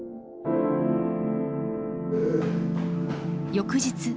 翌日。